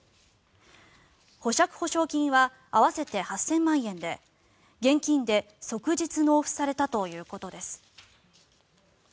保釈保証金は合わせて８０００万円で現金で即日納付されたということです。